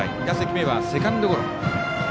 ２打席目はセカンドゴロ。